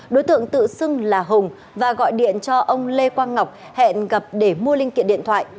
đối tượng tự xưng là hùng và gọi điện cho ông lê quang ngọc hẹn gặp để mua linh kiện điện thoại